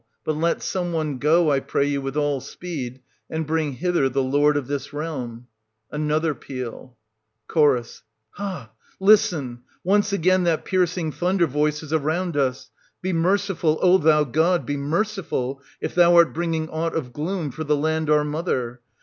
— But let some one go, I pray you, with all speed, and bring hither the lord of this real m. \A not her peal. Ch. Ha! Listen! Once again that piercing thunder j^r. 2. voice is around us! Be merciful, O thou god, be merciful, 1480 \i thou art bringing aught of gloom for the land our mother